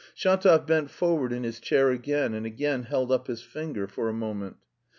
Shatov bent forward in his chair again and again held up his finger for a moment.